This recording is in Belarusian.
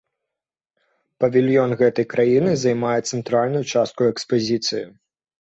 Павільён гэтай краіны займае цэнтральную частку экспазіцыі.